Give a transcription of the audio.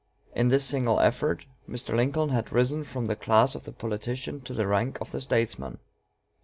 In this single effort Mr. Lincoln had risen from the class of the politician to the rank of the statesman.